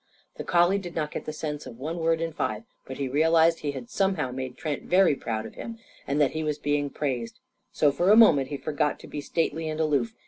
The collie did not get the sense of one word in five. But he realised he had somehow made Trent very proud of him and that he was being praised. So for a moment he forgot to be stately and aloof.